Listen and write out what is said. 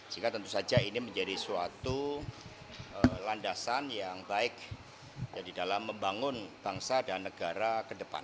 sehingga tentu saja ini menjadi suatu landasan yang baik dalam membangun bangsa dan negara ke depan